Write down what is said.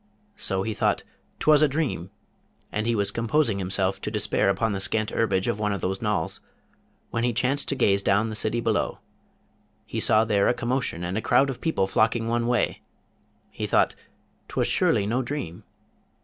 So he thought, ''Twas a dream!' and he was composing himself to despair upon the scant herbage of one of those knolls, when as he chanced to gaze down the city below, he saw there a commotion and a crowd of people flocking one way; he thought, ''Twas surely no dream?